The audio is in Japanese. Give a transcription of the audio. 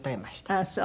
あっそう。